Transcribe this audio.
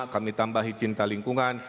kami tambahi cinta lingkungan